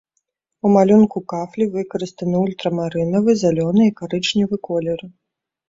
У малюнку кафлі выкарыстаны ультрамарынавы, зялёны і карычневы колеры.